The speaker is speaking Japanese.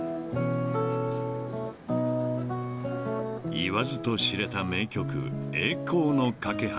［言わずと知れた名曲『栄光の架橋』］